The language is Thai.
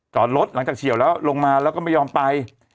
จอดรถหลังจากเฉียวแล้วลงมาแล้วก็ไม่ยอมไป